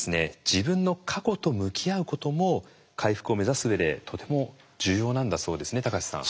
自分の過去と向き合うことも回復を目指す上でとても重要なんだそうですね高知さん。